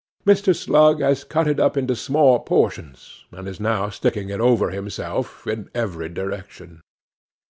Mr. Slug has cut it up into small portions, and is now sticking it over himself in every direction.